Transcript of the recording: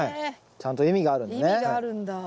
ちゃんと意味があるんだね。